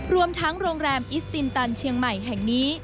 รวมทั้งโรงแรมอิสตินตันเชียงใหม่แห่งนี้